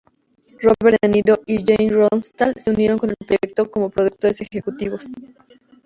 Robert De Niro y Jane Rosenthal se unieron al proyecto como productores ejecutivos.